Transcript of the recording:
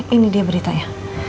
ini dia beritanya